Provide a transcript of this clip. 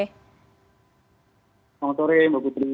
selamat sore mbak putri